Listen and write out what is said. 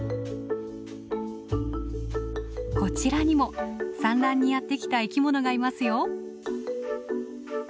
こちらにも産卵にやって来た生きものがいますよ。